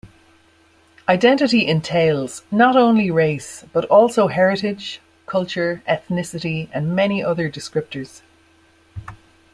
Identity entails, not only race, but also heritage, culture, ethnicity and many other descriptors.